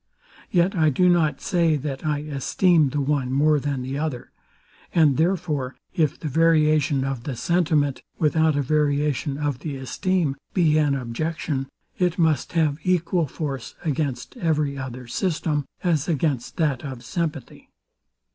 Yet I do not say, that I esteem the one more than the other: And therefore, if the variation of the sentiment, without a variation of the esteem, be an objection, it must have equal force against every other system, as against that of sympathy.